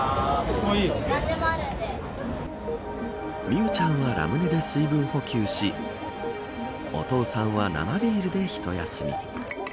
美羽ちゃんはラムネで水分補給しお父さんは生ビールで一休み。